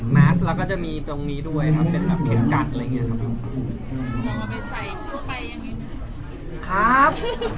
แมสเราก็จะมีตรงนี้ด้วยครับเป็นแบบเข็มกัดอะไรอย่างเงี้ครับ